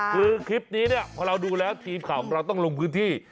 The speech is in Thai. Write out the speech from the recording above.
คือคลิปนี้เนี่ยพอเราดูแล้วทีมข่าวของเราต้องลงพื้นที่